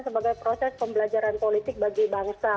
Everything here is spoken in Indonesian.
sebagai proses pembelajaran politik bagi bangsa